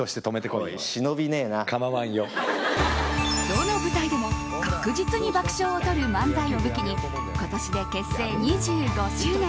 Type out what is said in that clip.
どの舞台でも確実に爆笑をとる漫才を武器に今年で結成２５周年。